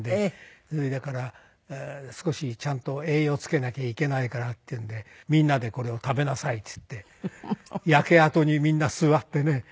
だから少しちゃんと栄養をつけなきゃいけないからっていうんで「みんなでこれを食べなさい」って言って焼け跡にみんな座ってね